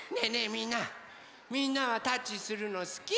みんなみんなはタッチするのすき？